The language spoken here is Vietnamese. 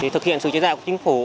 thực hiện sự chế giải của chính phủ